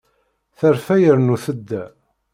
Terfa yernu tedda.